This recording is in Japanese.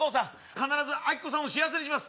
必ずアキコさんを幸せにします。